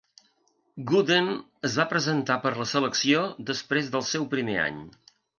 Gooden es va presentar per la selecció després del seu primer any.